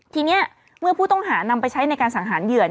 ทีนี้เมื่อผู้ต้องหานำไปใช้ในการสังหารเหยื่อ